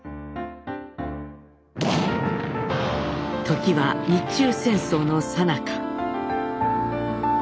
時は日中戦争のさなか。